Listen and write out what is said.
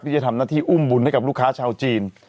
ที่จะทำหน้าที่อุ้มบุญให้กับลูกค้าชาวจีน